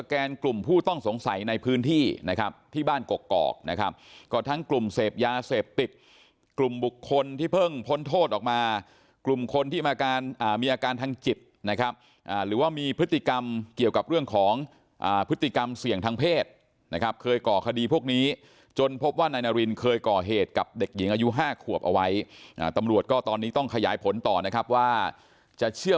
ก็คือสิ่งที่สุดท้ายก็คือสิ่งที่สุดท้ายก็คือสิ่งที่สุดท้ายก็คือสิ่งที่สุดท้ายก็คือสิ่งที่สุดท้ายก็คือสิ่งที่สุดท้ายก็คือสิ่งที่สุดท้ายก็คือสิ่งที่สุดท้ายก็คือสิ่งที่สุดท้ายก็คือสิ่งที่สุดท้ายก็คือสิ่งที่สุดท้ายก็คือสิ่งที่สุดท้ายก็คือ